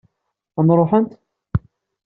Ad n-ruḥent?